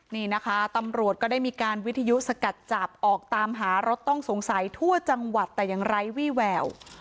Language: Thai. นี่นะคะตำรวจก็ได้มีการวิทยุสกัดจับออกตามหารถต้องสงสัยทั่วจังหวัดแต่ยังไร้วี่แวว